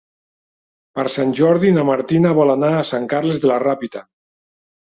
Per Sant Jordi na Martina vol anar a Sant Carles de la Ràpita.